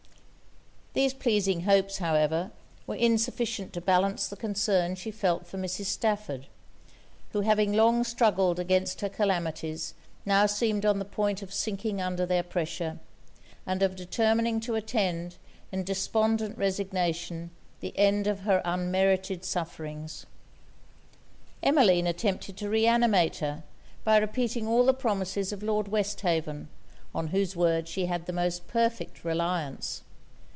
These pleasing hopes, however, were insufficient to balance the concern she felt for Mrs. Stafford; who having long struggled against her calamities, now seemed on the point of sinking under their pressure, and of determining to attend, in despondent resignation, the end of her unmerited sufferings. Emmeline attempted to re animate her, by repeating all the promises of Lord Westhaven, on whose word she had the most perfect reliance.